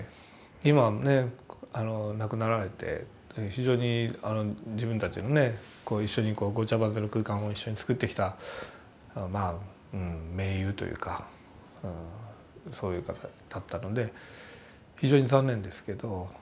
今ね亡くなられて非常に自分たちのね一緒にごちゃまぜの空間を一緒につくってきた盟友というかそういう方だったので非常に残念ですけど。